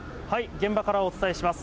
現場からお伝えします。